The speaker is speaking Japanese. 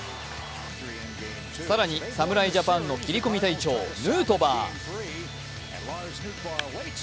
更に侍ジャパンの切り込み隊長ヌートバー。